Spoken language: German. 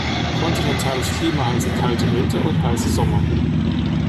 Kontinentales Klima heißt kalte Winter und heiße Sommer.